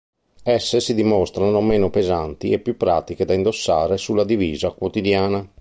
Esse si dimostrano meno pesanti e più pratiche da indossare sulla divisa quotidiana.